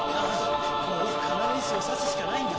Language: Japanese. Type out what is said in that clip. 「もう要石を刺すしかないんだ！